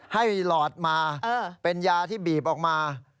หลอดมาเป็นยาที่บีบออกมา